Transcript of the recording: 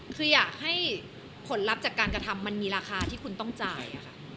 คืออยากให้ผลลัพธ์จากการกระทำมันมีราคาที่คุณต้องจ่ายค่ะ